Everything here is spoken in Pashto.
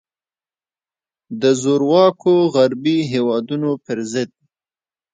د زورواکو غربي هیوادونو پر ضد.